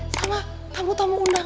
sama tamu tamu undang